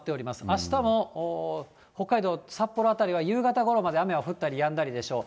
あしたも北海道札幌辺りは夕方ごろまで雨は降ったりやんだりでしょう。